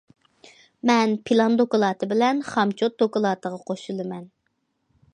مەن پىلان دوكلاتى بىلەن خامچوت دوكلاتىغا قوشۇلىمەن.